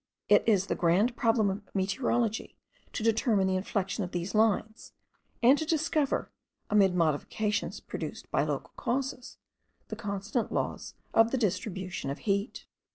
It is the grand problem of meteorology to determine the inflections of these lines, and to discover, amid modifications produced by local causes, the constant laws of the distribution of heat.